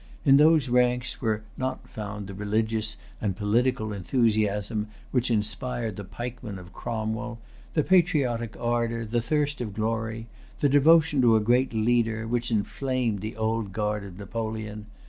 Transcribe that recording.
In those ranks were not found the religious and political enthusiasm which inspired the pikemen of Cromwell, the patriotic ardor, the thirst of glory, the devotion to a great leader, which inflamed the Old Guard of Napoleon.